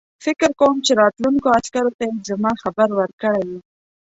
فکر کوم چې راتلونکو عسکرو ته یې زما خبر ورکړی وو.